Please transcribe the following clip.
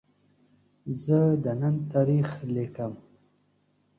زه د نن تاریخ لیکم.